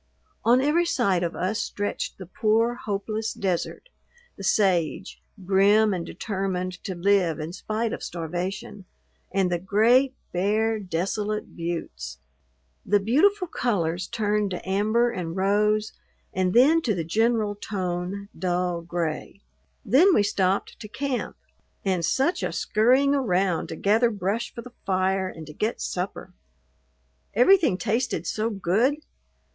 On every side of us stretched the poor, hopeless desert, the sage, grim and determined to live in spite of starvation, and the great, bare, desolate buttes. The beautiful colors turned to amber and rose, and then to the general tone, dull gray. Then we stopped to camp, and such a scurrying around to gather brush for the fire and to get supper! Everything tasted so good!